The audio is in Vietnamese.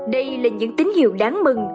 đây là những tín hiệu đáng mừng